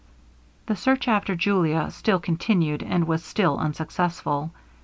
The search after Julia still continued, and was still unsuccessful.